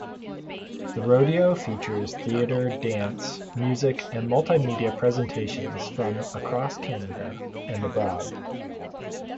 The Rodeo features theatre, dance, music and multimedia presentations from across Canada and abroad.